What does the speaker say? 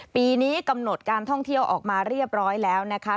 ปีนี้กำหนดการท่องเที่ยวออกมาเรียบร้อยแล้วนะคะ